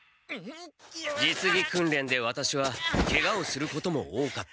実技訓練でワタシはケガをすることも多かった。